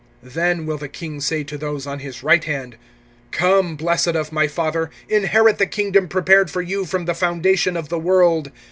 (34)Then will the King say to those on his right hand: Come, blessed of my Father, inherit the kingdom prepared for you from the foundation of the world.